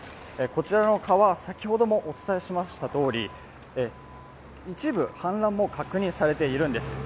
こちらの川、先ほどもお伝えしましたとおり、一部氾濫も確認されているんです。